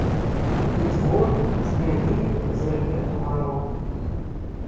І твор знялі з рэпертуару.